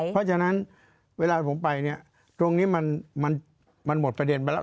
เพราะฉะนั้นเวลาผมไปเนี่ยตรงนี้มันหมดประเด็นไปแล้ว